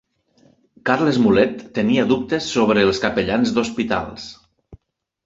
Carles Mulet tenia dubtes sobre els capellans d'hospitals